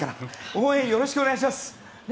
応援よろしくお願いします！